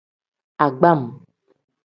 Agbam.